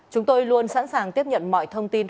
chúng tôi luôn sẵn sàng tiếp nhận mọi thông tin